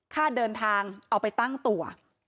ค่าเดินทางเอาไปตั้งตัว